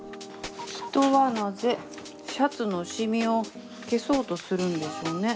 人はなぜシャツのシミを消そうとするんでしょうね。